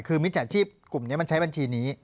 คือมิจฉาชีพกลุ่มนี้มันใช้บัญชีนี้